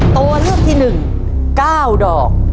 ตัวเลือกที่๑๙ดอก